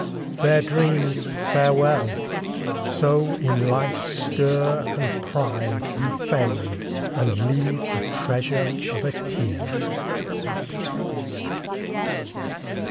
Fair dreams, farewell! So in life's stir and pride You fade, and leave the treasure of a tear!